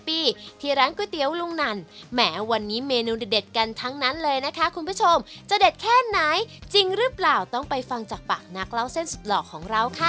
ปีที่ร้านก๋วยเตี๋ยวลุงนั่นแหมวันนี้เมนูเด็ดกันทั้งนั้นเลยนะคะคุณผู้ชมจะเด็ดแค่ไหนจริงหรือเปล่าต้องไปฟังจากปากนักเล่าเส้นสุดหล่อของเราค่ะ